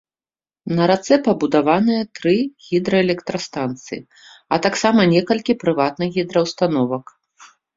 На рацэ пабудаваныя тры гідраэлектрастанцыі, а таксама некалькі прыватных гідраўстановак.